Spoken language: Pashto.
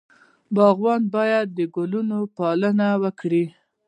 باغوان باید د ګلونو پالنه وکړي.